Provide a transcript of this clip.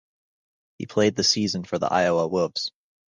He played the season for the Iowa Wolves.